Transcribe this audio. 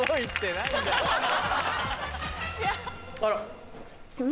あら？